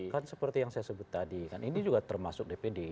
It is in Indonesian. kan seperti yang saya sebut tadi kan ini juga termasuk dpd